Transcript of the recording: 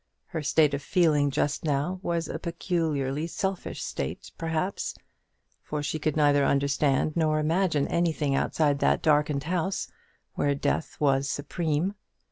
Her state of feeling just now was a peculiarly selfish state, perhaps; for she could neither understand nor imagine anything outside that darkened house, where death was supreme.